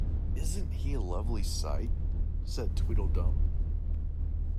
‘Isn’t he a lovely sight?’ said Tweedledum.